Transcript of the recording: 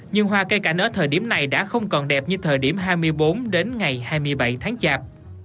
nhưng hoa cây cảnh ở thời điểm này đã không còn đẹp như thời điểm hai mươi bốn đến ngày hai mươi bảy tháng chạp